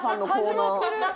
始まってる。